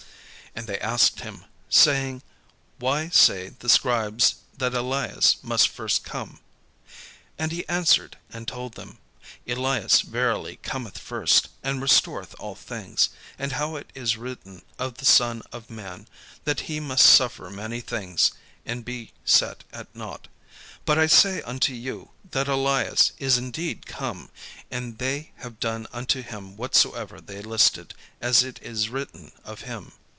And they asked him, saying, "Why say the scribes that Elias must first come?" And he answered and told them, "Elias verily cometh first, and restoreth all things; and how it is written of the Son of man, that he must suffer many things, and be set at nought. But I say unto you, That Elias is indeed come, and they have done unto him whatsoever they listed, as it is written of him."